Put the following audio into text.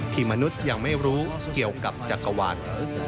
มนุษย์ยังไม่รู้เกี่ยวกับจักรวาล